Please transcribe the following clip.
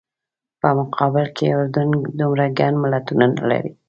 په مقابل کې اردن دومره ګڼ ملتونه نه لري.